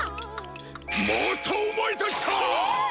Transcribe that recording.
またおまえたちか！ひえ！